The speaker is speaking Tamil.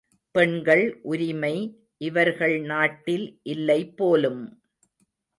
பெண்கள் உரிமை இவர்கள் நாட்டில் இல்லை போலும்!